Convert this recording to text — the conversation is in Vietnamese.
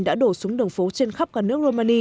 đã đổ xuống đường phố trên khắp cả nước romani